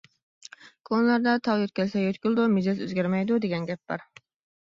كونىلاردا ‹ ‹تاغ يۆتكەلسە يۆتكىلىدۇ، مىجەز ئۆزگەرمەيدۇ› › دېگەن گەپ بار.